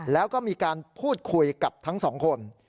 แล้วก็มีการพูดคุยกับทั้งสองคน